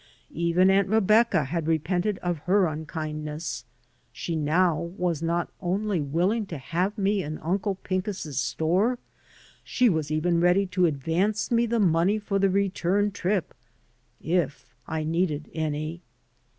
Even Aunt Rebecca had repented of her unkindness. She now was not only willing to have me in Uncle Pincus's store, she was even ready to advance me the money for the return trip ^J I needed any.